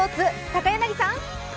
高柳さん。